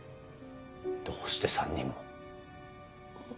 どうして３人も。